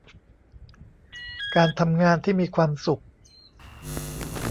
การทำงานที่มีความสุข